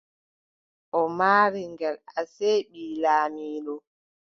O maari ngel, asee, ɓii laamiiɗo.